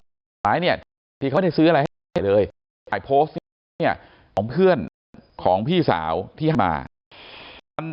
กลับมาดูที่เขาไม่ได้ซื้ออะไรเลยถ่ายโพสต์ของเพื่อนพี่สาวที่หักเรื่องมา